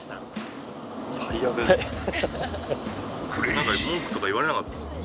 何か文句とか言われなかったですか？